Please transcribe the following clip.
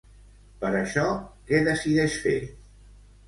Per això, què decideix fer?